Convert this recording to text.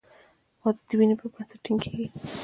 • واده د مینې پر بنسټ ټینګېږي.